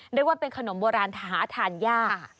เรียกว่าเป็นขนมโบราณหาทานยาก